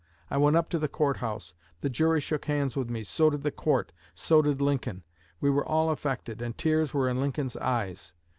I went up to the court house; the jury shook hands with me, so did the court, so did Lincoln. We were all affected, and tears were in Lincoln's eyes.